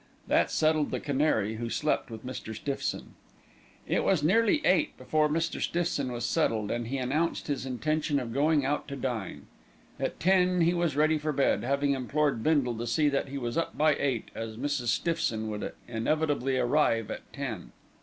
That settled the canary, who slept with Mr. Stiffson. It was nearly eight before Mr. Stiffson was settled, and he announced his intention of going out to dine. At ten he was ready for bed, having implored Bindle to see that he was up by eight as Mrs. Stiffson would inevitably arrive at ten.